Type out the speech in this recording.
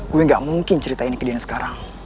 gue gak mungkin ceritain ke dian sekarang